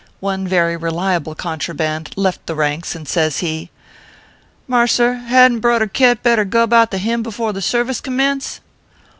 One very reliable contraband left the ranks, and says he :" Mars r, hadn t Brudder Khett better gub out the hymn before the service commence